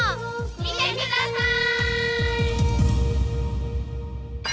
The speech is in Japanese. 見てください！